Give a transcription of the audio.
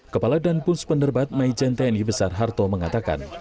kepala dan pus penerbat maijen tni besar harto mengatakan